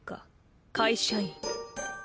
会社員